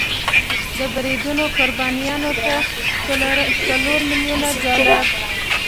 د بریدونو قربانیانو ته څلور میلیون ډالر